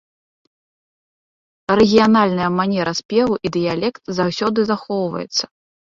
Рэгіянальная манера спеву і дыялект заўсёды захоўваюцца.